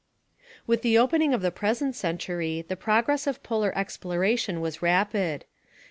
With the opening of the present century the progress of polar exploration was rapid.